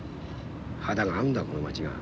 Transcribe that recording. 肌が合うんだこの街が。